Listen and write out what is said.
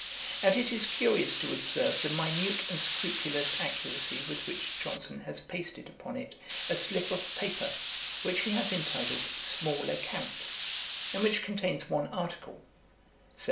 And it is curious to observe the minute and scrupulous accuracy with which Johnson has pasted upon it a slip of paper, which he has entitled Small Account,' and which contains one article, 'Sept.